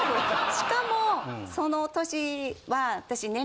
しかもその年は私。